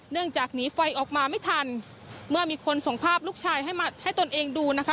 จากหนีไฟออกมาไม่ทันเมื่อมีคนส่งภาพลูกชายให้มาให้ตนเองดูนะคะ